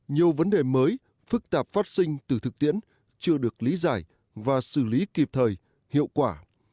nhiều vấn đề mới phức tạp phát sinh từ thực tiễn chưa được lý giải và xử lý kịp thời hiệu quả